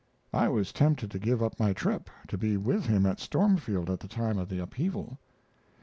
I was tempted to give up my trip, to be with him at Stormfield at the time of the upheaval.